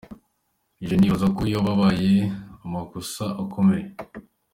Je nibaza ko yoba abaye amakosa akomeye.